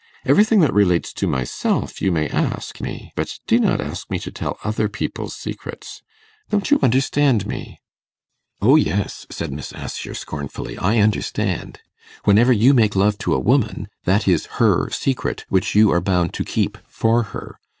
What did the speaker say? Everything that relates to myself you may ask me, but do not ask me to tell other people's secrets. Don't you understand me?' 'O yes,' said Miss Assher scornfully, 'I understand. Whenever you make love to a woman that is her secret, which you are bound to keep for her.